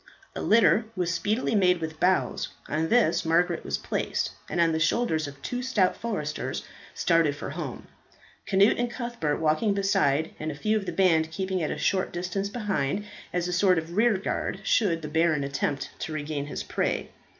A litter was speedily made with boughs, on this Margaret was placed, and on the shoulders of two stout foresters started for home, Cnut and Cuthbert walking beside, and a few of the band keeping at a short distance behind, as a sort of rear guard should the Baron attempt to regain his prey.